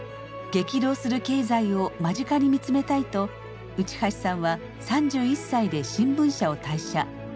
激動する経済を間近に見つめたいと内橋さんは３１歳で新聞社を退社。